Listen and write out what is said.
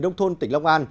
nông thôn tỉnh long an